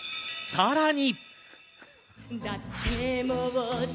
さらに。